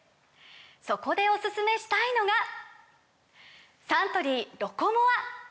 そこでおすすめしたいのがサントリー「ロコモア」！